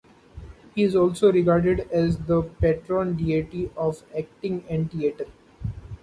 He is also regarded as the patron deity of acting and theatre.